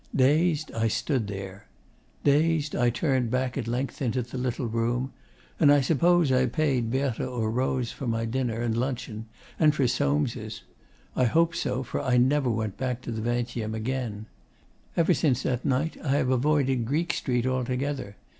Dazed, I stood there. Dazed, I turned back, at length, into the little room; and I suppose I paid Berthe or Rose for my dinner and luncheon, and for Soames': I hope so, for I never went to the Vingtieme again. Ever since that night I have avoided Greek Street altogether.